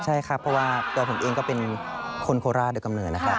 ใช่ครับเพราะว่าตัวผมเองก็เป็นคนโคราชโดยกำเนิดนะครับ